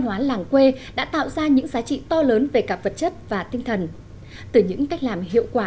hóa làng quê đã tạo ra những giá trị to lớn về cả vật chất và tinh thần từ những cách làm hiệu quả